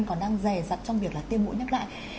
còn đang rè rặt trong việc là tiêm mũi nhắc lại